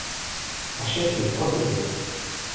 Achète les trois couleurs.